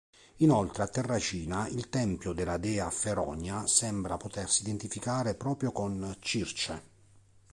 Inoltre a Terracina il tempio della dea Feronia sembra potersi identificare proprio con Circe.